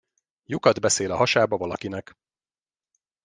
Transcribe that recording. Lyukat beszél a hasába valakinek.